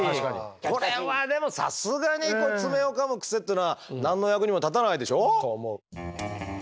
これはでもさすがに爪をかむクセってのは何の役にも立たないでしょ？と思う。